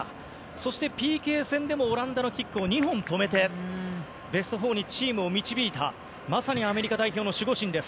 そして、ＰＫ戦でもオランダのキックを２本止めてベスト４にチームを導いたまさにアメリカ代表の守護神です。